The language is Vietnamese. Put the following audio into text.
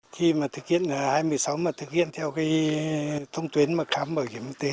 khi mà thực hiện hai mươi sáu mặt thực hiện theo cái thông tuyến khám bảo hiểm y tế